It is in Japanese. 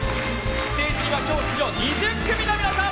ステージには今日、出場２０組の皆さん